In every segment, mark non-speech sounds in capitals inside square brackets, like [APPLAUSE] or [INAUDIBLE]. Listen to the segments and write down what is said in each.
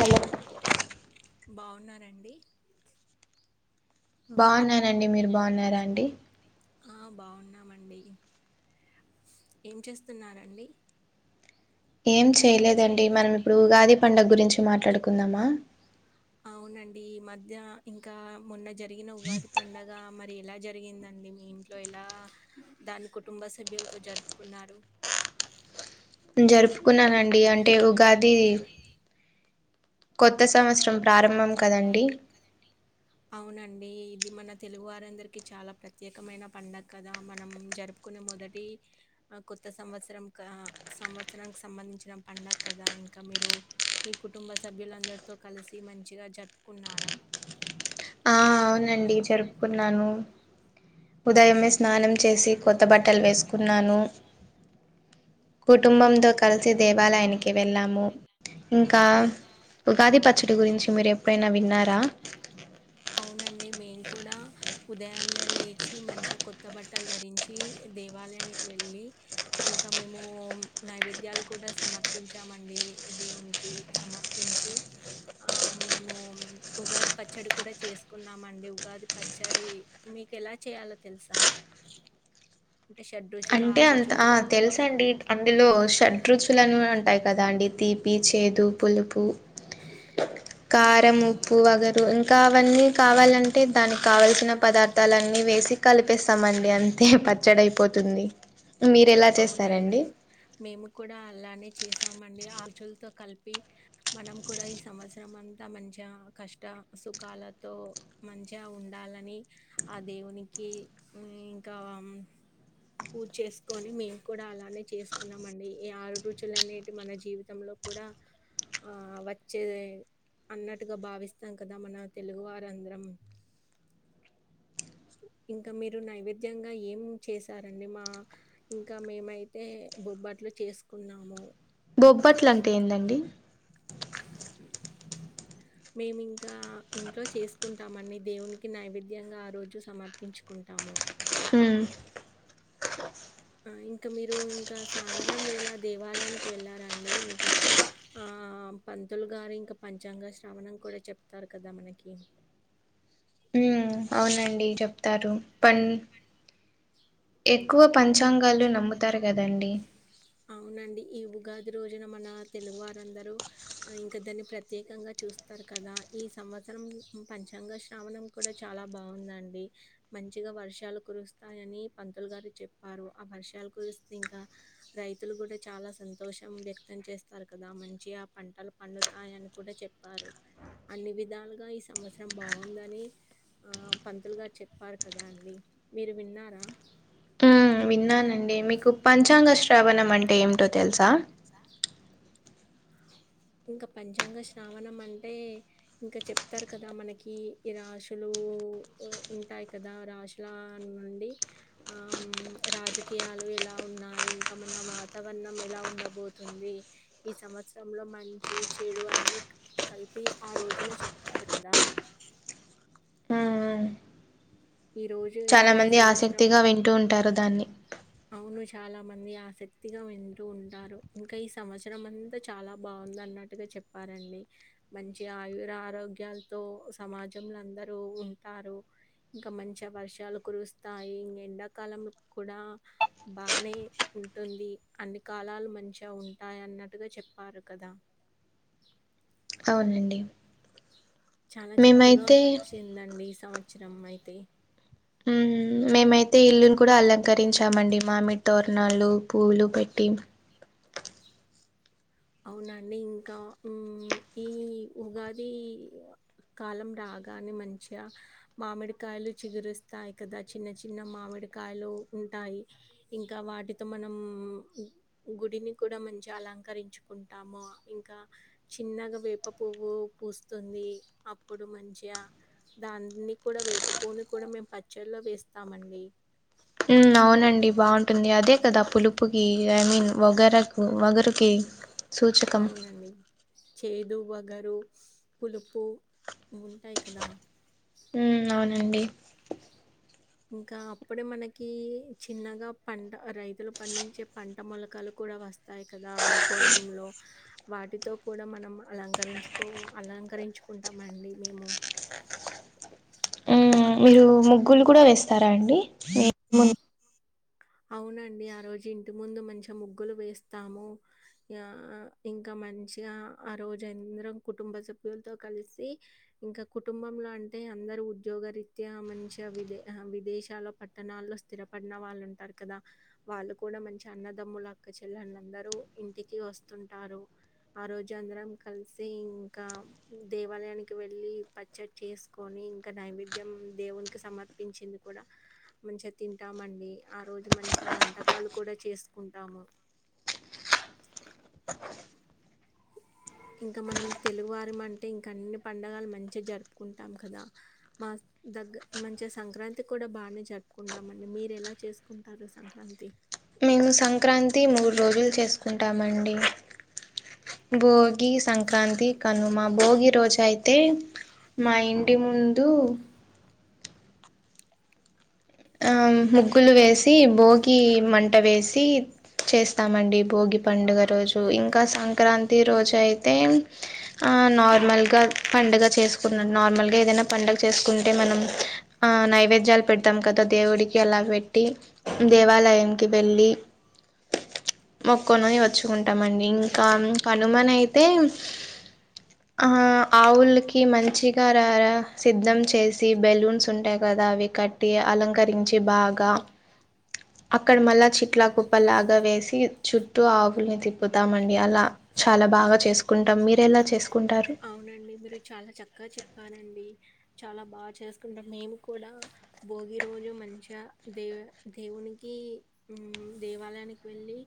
Hello బాగున్నారండి బాగున్నానండి మీరు బాగున్నారా అండి బాగున్నామండి ఏం చేస్తున్నరండి ఏం చేయలేదండి మనం ఇప్పుడు ఉగాది పండుగ గురించి మాట్లాడుకుందామా అవునండి ఈ మధ్య ఇంకా మొన్న జరిగిన ఉగాది పండుగ మరి అది ఎలా జరిగిందండి మీ ఇంట్లో ఎలా దాని కుటుంబ సభ్యులతో జరుపుకున్నారు [INAUDIBLE] జరుపుకున్నానండి అంటే ఉగాది కొత్త సంవత్సరం ప్రారంభం కదండి అవునండి ఇది మన తెలుగు వారందరికీ చాలా ప్రత్యేకమైన పండగ కదా మనం జరుపు మొదటి కొత్త సంవత్సరం సంవత్సరానికి సంబంధించిన పడుగ కద మీరు మీ కుటుంబ సభ్యులందరితో కలిసి మంచిగా జపుకున్నారా ఆ అవునండి జరుపుకున్నాను ఉదయమే స్నానం చేసి కొత్త బట్టలు వేసుకున్నాను కుటుంబంతో కలిసి దేవాలయానికి వెళ్ళాము ఇంకా ఉగాది పచ్చడి గురించి మీరు ఎప్పుడైనా విన్నారా అవునండి మేము కూడా ఉదయాన్నే లేచి మంచిగా కొత్త బట్టలు ధరించి దేవాలయానికి వెళ్ళి ఇంకా మేము నైవేద్యాలు కూడా సమర్పించామండి దేవునికి సమర్పించి ఆ మేము ఉగాది పచ్చడి కూడా తి చేసుకున్నామండి ఉగాది పచ్చడి మీకు ఎలా చేయాలో తెలుసా అంటే షెట్ రుచ్ అంటే అంత ఆ తెలుసండి అందులో షెట్ రుచులాన్ని ఉంటాయి కదా అండి తీ చేదు పులుపు కారం ఉప్పు వగరు ఇంకా అవన్ని కావాలంటే దానికి కావల్సిన పదార్థాల అన్ని వేస్ సి కలిపేస్తామండి అంతే పచ్చడైపోతుంది. అవునండి మేము కూడా అలానే చేసామండి ఆర్చులతో కలిపి మనం కూడా ఈ సంవత్సరం అంతా మంచిగా కష్టా సుఖాలతో మంచిగా ఉండాలని ఆ దేవునికి ఇంకా ఆ అవును పూజచేస్ కొని మేము కూడా అలానే చేసుకున్నామండి. ఈ ఆరు రుచులు అనేటి మన జీవితంలో కూడా ఆ వచ్చేదే అన్నట్టుగా భావిస్తాం కాదా మన తెలుగువారందరం ఇంకా మీరు నైవేద్యంగా ఏం మ్ చేశారంండి మా ఇంకా మేమైతే బొ బాట్లు చేసుకున్నాము. బొబ్బట్లు అంటే ఏందండి? [INAUDIBLE] మేము ఇంకా ఇంట్లో చేసుకుంటామండి దేవునికి నైవేద్యంగా ఆ రోజు సమర్పించుకుంటాం. ఏమో హుమ్ ఇంకా మీరు ఇంకా సాయంత్రం వేళ దేవాలయానికి వెళ్ళారాండి ఇంకా ఆ పంతులు గారు ఇంకా పంచాంగ శ్రవణం కూడా చెప్తారు కాదా మనకి మ్ అవునండి చెప్తారు పని ఎక్కువ పంచాంగాలు నమ్ముతారు కాదాండి అవునండి ఈ ఉగాది రోజున మన తెలుగు వారందరూ ఇంకా దాన్ని ప్రత్యేకంగా చూస్తారు కదా ఈ సంవత్సరం పంచాంగ శ్రావణం కూడా చాలా బాగుందండి మంచిగా వర్షాలు కురుస్తాయని పంతులు గారు చెప్పారు ఆ వర్షాలు కురిస్తే ఇంకా రైత్ తులు కూడా చాలా సంతోషం వ్యక్తం చేస్తారు కాదా మంచిగా ఆ పంటలు పండుతాయని కూడా చెప్పారు అన్ని విధాలుగా ఈ సంవత్సరం బాగుందని పంతులుగారు చెప్పారు కాదా అండి మీరు విన్నారా విన్నానండి మీకు పంచాంగ శ్రావణం అంటే ఏమిటో తెలుసా? [INAUDIBLE] ఇంకా పంచాంగ శ్రావణం అంటే ఇంకా చెప్తారు కదా మనకి ఈ రాశులు ఓ ఒ ఉంటాయి కాదా రాశుల నుండి ఆ మ్ రాజకీయల ఎలా ఉన్నాయి ఇంకా మన వాతావరణం ఎలా ఉండబోతుంది ఈ సంవత్సరంలో మన మంచి చెడు అన్ని క కలిపి ఆ రోజున చెప్తారు కదా ఉ ఉ ఈ రోజు చాలా ఇంకా ఈ మంది సంవత్సరం ఆసక్తిగా వింటూ ఉంటారు దాన్ని అవును చాలా మంది ఆసక్తిగా వింటూ ఉంటారు. ఇంకా ఈ సంవత్సరం అంతా చాలా బాగుంద ఉన్నట్టుగా చెప్పారండి మంచి ఆయురారోగ్యాలతో సమాజంలో అందరు ఉంటారు ఇంకా మంచి వర్షాలు కురుస్తాయి. ఇగా ఎండాకాలం కూడా బానే ఉ ఉంటుంది అన్ని కాలాలు మంచిగా ఉంటాయి అన్నట్టుగా చెప్పారు కాదా అవునండి చాలా చక్కగా మేమైతే వచ్చిందండి ఈ సంవత్సరం అయితే హ్మ్. మేమైతే ఇల్లుని నాలు పూలు పెట్టి అవునండి ఇంకా ఉం ఈ ఉగాది కాలం రాగానే మంచిగా మామిడికాయలు చిగురుస్తాయి కదా చిన్న చిన్న మామిడి కాయలు ఉంటాయి ఇంకా వాటితో మనం గుడిని కూడా మంచిగా అలంకరించు టాము ఇంకా చిన్నగ వేప పువ్వు పూస్తుంది అప్పుడు మంచిగా అ దాన్ని కూడా వేప పూను కూడా మేము పచ్చలో వేస్తామండి ఉం అవునండి బాఉంటుంది అదే కదా పులుపుకి ఇ ఐ మీన్ వగర వగరుకి సూచకం. అవునండి చే దు వగరు పులుపు ఉంటాయి కదా ఉం అవునండి ఇంకా అప్పుడే మనకి చిన్నగా పంట రైతులు పండించే పంట మొలకలు కూడా వస్తా తాయి కదా వరి పొలంలో వాటితో కూడా మనం అలంకరించుకో అలంకరించుకుంటామండి మేము మ్ మీరు ముగ్గులు కూడ వేస్తారా అండి మీ ఇ ముందు అవునండి ఆ రోజు ఇంటి ముందు మంచిఅ ముగ్గులు వేస్తాము అ అ ఇంకా మంచిగా ఆ రోజు అందరం కుటుంబ సభ్యులతో కలిసి ఇంకా కుటుంబంలో అంటే అందరు ఉద్యోగ రీత్యా మంచ్య విద విదేశాల్లో పట్టణాల్లో స్థిరపడిన వాళ్ళు ఉంటారు కదా వాళ్ళు కూడా మంచి అన్నదమ్ములు అక్క చెల్లెల్ల్న్ళ్ అందరూ ఇంటికి వస్తుంటారు ఆ రోజు అందరం కలిసి ఇంకా దేవాలయానికి వెళ్ళి పచ్చడి చేసుకొని ఇంకా నైవేద్యం దేవునికి సమర్పించింది కూడా మంచిగ తింటామండి రోజు మంచి ఆ వంటకాలు కూడా చేసుకుంటాము ఇంక మనం తెలుగువారిం అంటే ఇంకన్ని పండుగలు మంచిగ జరుపుకుంటాం కదా మా దగ్గ మంచిగ సంక్రాంతి కూడా బానే జరుపుకుంటామండి మీరెలా చేసుకుంటారు సంక్రాంతి మేము సంక్రాంతి మూడు రోజులు చేసుకుంటామండి భోగి సంక్రాంతి కనుమ భోగి రోజు అయితే మా ఇంటి ముందు ఆం ముగ్గులు వేసి భోగి మంట వేసి చేస్తామండి భోగి పండుగ రోజు ఇంకా సంక్రాంతి రోజు అయితే అ నార్మల్ గ పండగ చేస్కున్ నార్మల్ ఏదైన పండగ చేస్కుంటే మనం నైవేద్యాల్ పెడ్తం గత దేవుడికి అలా పెట్టి దేవాలయంకి వెళ్ళి మొక్కొని వచ్చుకుంటామండి ఇంకా కనుమన్ అయితే ఆ ఆవుల్కి మంచిగా రారా సిద్ధం చేసి బెలూన్స్ ఉంటాయి కదా అ అవి కట్టి అలంకరించి బాగా అక్కడ మళ్ళా చిట్లా కుప్ప లాగా వేసి చుట్టూ ఆవుల్ని తిప్పుతామండి అలా చాలా బాగా చేసుకుంటం మీరెలా చేసుకు అవునండి మీరు చాలా చక్క చెప్పారండి చాలా బా చేసుకుంటం మేము కూడా భోగి రోజు మంచిఅ దే దేవునికి ఇ ఉం దేవాలయానికి వెళ్ళి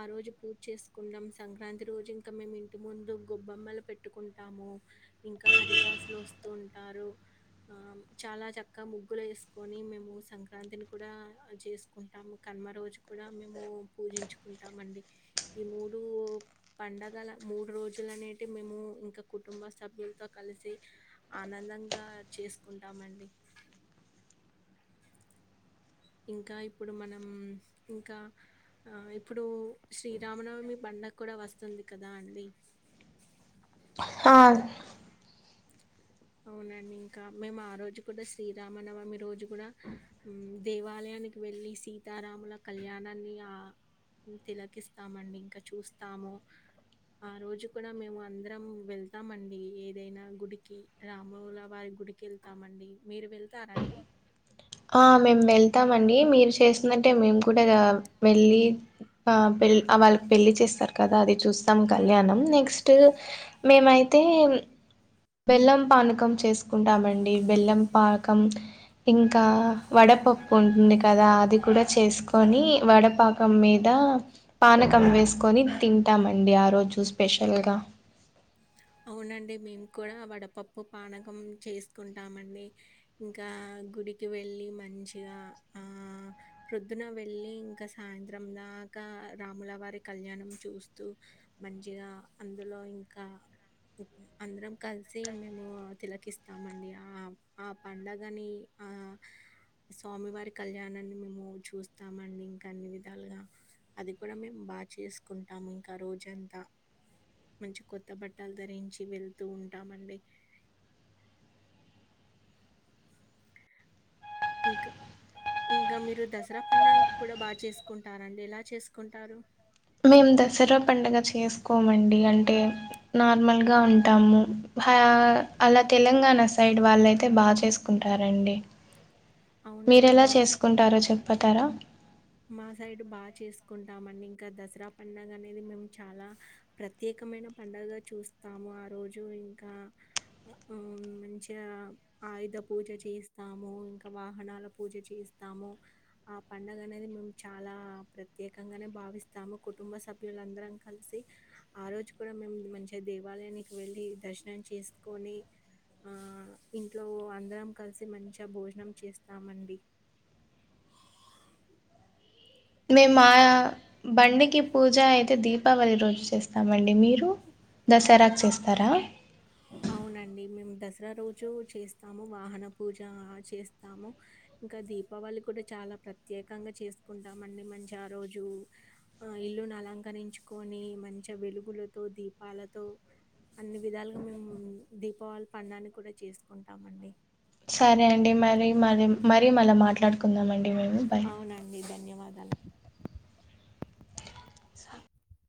ఆ రోజు పూజ్ చేసుకుంటం సంక్రాంతి రోజు ఇంకా మేమ్ ఇంటి ముందు గొబ్బెమ్మలు పెట్టుకున్ టాము ఇంకా హరిదాసులు ఒస్తూ ఉంటారు ఆం చాలా చక్క ముగ్గులు ఏ స్కొని మేము సంక్రాంతిని కూడా చేసుకుంటాము కన్మ రోజు కూడా మేము పూజించు కుంటామండి ఈ మూడు పండగల మూడు రోజులు అనేటివి మేము ఇంకా కుటుంబ సభ్యుల్తో కలిసి ఆనందంగా చేసుకుంటామండి ఇంకా ఇప్పుడు మనం ఇంకా ఆ ఇప్పుడు శ్రీరామనవమి పండ క్కూడా వస్తుంది కదా అండి [INAUDIBLE] ఆ అవునండి ఇంకా మేము ఆ రోజు కూడా శ్రీరామనవమి రోజు కూడా దేవాలయం నికి వెళ్ళి సీతారాముల కళ్యాణాన్ని ఆ తిలకిస్తామండి ఇంకా చూస్తాము ఆ రోజు కూడా మేము అందరం వెళ్తామండి ఏదైనా గుడికి రామూల వారి గుడికి వెళ్తామండి మీరు వెళ్తారా అండి ఆ మేము వెళ్తామండి మీరు చేసినట్టే మేము కూడా వెళ్ళి ఆ వాళ్ళకి పెళ్ళి చేస్తారు కదా అది చూస్తాం కళ్యాణం నెక్స్ట్ మేమైతే బెల్లం పానకం చేసుకుంటామండి బెల్లం పానకం ఇంకా ఇంకా వడపప్పు ఉంటుంది కదా అది కూడా చేసుకొని వడపాకం మీద పానకం వేసుకొని తింటామండి ఆ రోజు స్పెషల్గా [INAUDIBLE] అవునండి మేము కూడా వడపప్పు పానకం చేసుకుంటామండి ఇంకా గుడికి వెళ్ళి మంచిగా ప్రొద్దున వెళ్ళి ఇంకా సాయంత్ర దా ఇక రాముల వారి కళ్యాణం చూస్తూ మంచిగా అందులో ఇంకా అందరం కలిసి మేము తిలకిస్తామండి ఆ ఆ పండగని ఆ స్వామివారి కళ్యాణాన్ని మేము చూస్తామండి ఇంకా అన్ని విధాలుగా అది కూడా మేము బాగా చేసుకుంటాము ఇంకా రోజంతా మంచి కొత్త బట్ట బట్టలు ధరించి వెళ్తూ ఉంటామండి ఇంకా ఇంకా మీరు దసరా పండగ కూడా బాగా చేసుకుంటారంండి ఎలా చేసుకుంటారు మేము దసరా పండుగ చేసుకోమండి అంటే నార్మల్గా ఉంటాము అలా తెలంగాణ సైడ్ వాళ్ళుైతే బాగా చేసుకుంటారండి అ మీరెలా చేసుకుంటారో చెప్పతారా మా సైడ్ బాగా చేసుకుంటామ అండి ఇంకా దసరా పడుగ అనేది మేము చాలా ప్రత్యేక మైన పండుగగా చూస్తాము ఆ రోజు ఇంకా మంచిగా ఆయుధ పూజ చేస్తాము ఇంకా వాహనాల పూజ చేస్తా స్తాము ఆ పండగనే మేము చాలా ప్రత్యేకంగానే భావిస్తాము కుటుంబ సభ్యులందరం కలిసి ఆ ఈ రోజు కూడా మేము మంచిగా దేవాలయానికి వెళ్ళి దర్శనం చేసుకొని ఆ ఇంట్లో అందరం కలిసి మంచిగా భోజనం చేస్తామండి [INAUDIBLE] మేము మా బండికి పూజ అయితే దీపావళి రోజు చేస్తామండి మీరు దసరాకి చేస్తారా అవునండి మేము దసరా రోజు చేస్తాము వాహన పూజ చేస్తాము ఇంకా దీపావళి కూడా చాలా ప్రత్యేకంగా చేసుకుంటాం అండి మంచి ఆ రోజు ఇల్ ను అలంకరించుకొని మంచిగా వెలుగులతో దీపాలతో అన్ని విధాలుగా మేము దీపావళి పండాన్ని కూడా చేసుకుంటామండి సరే అండి మర మరి మరీ మళ్ళీ మాట్లాడుకుందామ అండి మేము బాయ్ అవునండి ధన్యవాదాలు